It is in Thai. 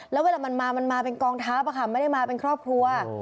แล้วเวลามันมามันมาเป็นกองทัพไม่ได้มาเป็นครอบครัว